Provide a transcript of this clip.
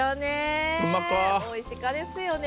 おいしいですよね。